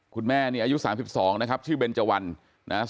คุณแม่งี้อายุ๒๒๓๒ชื่อเบรนจาวัน